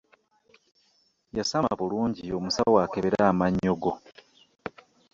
Yasama bulungi omusawo akebere amannyo go.